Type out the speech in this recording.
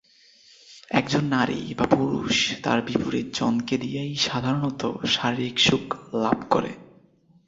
একজন নারী বা পুরুষ তার বিপরীত জনকে দিয়েই সাধারণত: শারীরিক সুখ লাভ করে।